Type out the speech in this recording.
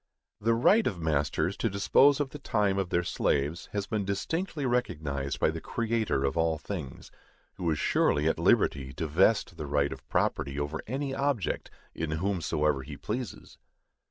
The right of masters to dispose of the time of their slaves has been distinctly recognized by the Creator of all things, who is surely at liberty to vest the right of property over any object in whomsoever he pleases.